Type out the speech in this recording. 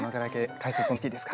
解説お願いしていいですか。